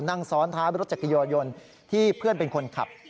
นั่งซ้อนท้ายรถจักรยานยนต์ที่เพื่อนเป็นคนขับ